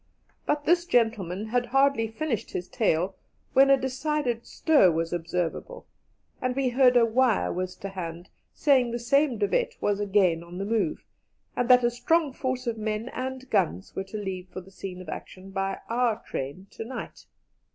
But this gentleman had hardly finished his tale when a decided stir was observable, and we heard a wire was to hand saying the same De Wet was again on the move, and that a strong force of men and guns were to leave for the scene of action by our train to night.